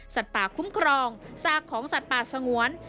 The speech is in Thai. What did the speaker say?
ป่าคุ้มครองซากของสัตว์ป่าสงวน